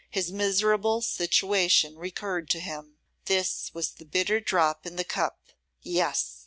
His miserable situation recurred to him. This was the bitter drop in the cup; yes!